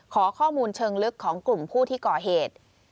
ขอข้อมูลเชิงลึกของกลุ่มผู้ที่ก่อเหตุ